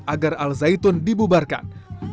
agar al zaitun dibubarkan